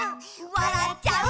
「わらっちゃう」